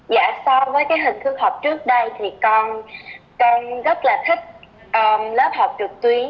dạ so với hình thức học trước đây thì con rất là thích lớp học trực tuyến